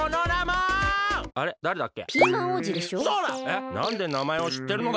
えっなんでなまえをしってるのだ！